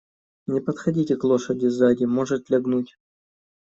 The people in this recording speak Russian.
Не подходите к лошади сзади, может лягнуть.